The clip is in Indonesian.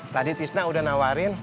tadi tisna udah nawarin